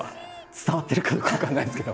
伝わってるかどうか分かんないですけど。